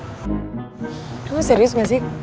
kamu serius gak sih